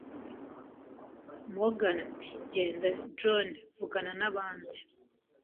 Morgan ati: “Genda, John.” “Vugana n'abandi.”